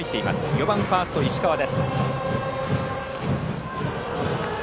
４番ファースト、石川です。